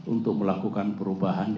untuk melakukan perubahan